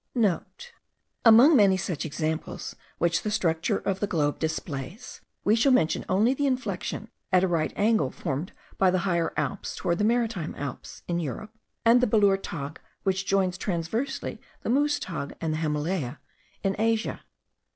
*(* Among many such examples which the structure of the globe displays, we shall mention only the inflexion at a right angle formed by the Higher Alps towards the maritime Alps, in Europe; and the Belour Tagh, which joins transversely the Mouz Tagh and the Himalaya, in Asia.